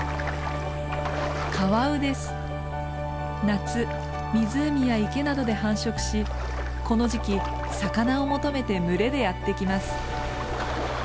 夏湖や池などで繁殖しこの時期魚を求めて群れでやって来ます。